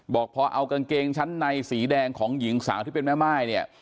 บอกพอเอากางเกงชั้นในสีแดงของหญิงสาวที่เป็นแม่ม่ายเนี่ย